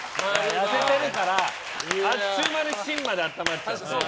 痩せてるからあっという間に芯まで温まっちゃう。